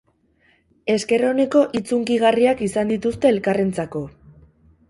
Esker oneko hitz hunkigarriak izan dituzte elkarrentzako.